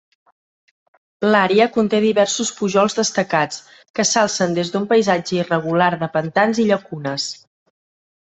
L'àrea conté diversos pujols destacats, que s'alcen des d'un paisatge irregular de pantans i llacunes.